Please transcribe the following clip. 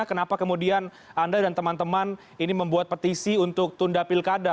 kenapa kemudian anda dan teman teman ini membuat petisi untuk tunda pilkada